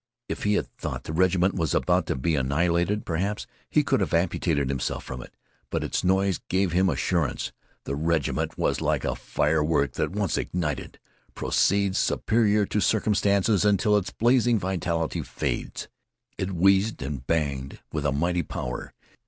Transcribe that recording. If he had thought the regiment was about to be annihilated perhaps he could have amputated himself from it. But its noise gave him assurance. The regiment was like a firework that, once ignited, proceeds superior to circumstances until its blazing vitality fades. It wheezed and banged with a mighty power.